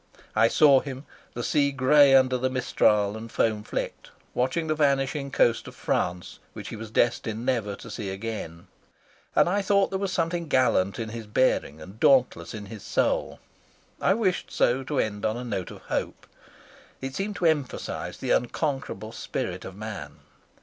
I saw him, the sea gray under the mistral and foam flecked, watching the vanishing coast of France, which he was destined never to see again; and I thought there was something gallant in his bearing and dauntless in his soul. I wished so to end on a note of hope. It seemed to emphasise the unconquerable spirit of man.